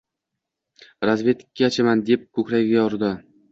— Razvedkachiman, deb ko‘kragiga urdi.